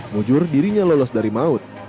mujur dirinya lolos dari maut